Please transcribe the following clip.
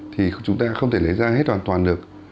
thì chúng ta không thể lấy ra hết hoàn toàn được